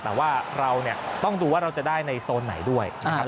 แต่ว่าเราเนี่ยต้องดูว่าเราจะได้ในโซนไหนด้วยนะครับ